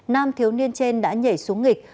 nam thiếu niên trên đã nhảy xuống nghịch